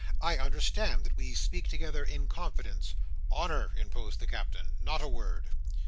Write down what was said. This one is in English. I understand that we speak together in confidence. "Honour!" interposed the Captain. "Not a word."